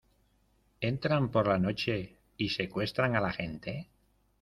¿ entran por la noche y secuestran a la gente?